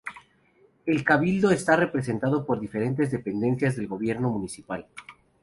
El cabildo está representado por diferentes dependencias del gobierno municipal.